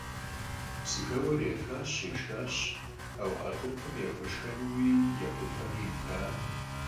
Псыхэуэр ефащ, ешхащ, ауэ Хьэрхъупым яхуэшхэнуи яхуефэни идакъым.